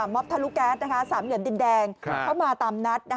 อบทะลุแก๊สสามเหลี่ยมดินแดงเข้ามาตามนัด